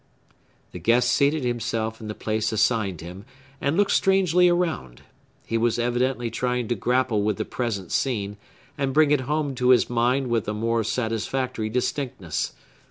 The guest seated himself in the place assigned him, and looked strangely around. He was evidently trying to grapple with the present scene, and bring it home to his mind with a more satisfactory distinctness.